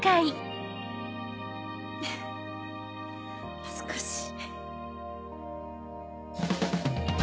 フフ恥ずかしい。